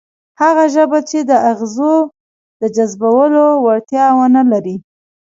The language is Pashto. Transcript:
هغه ژبه چې د اغېزو د جذبولو وړتیا ونه لري،